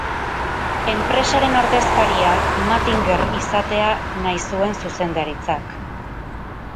Enpresaren ordezkaria Mattinger izatea nahi zuen zuzendaritzak.